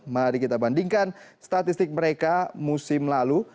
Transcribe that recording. mari kita bandingkan statistik mereka musim lalu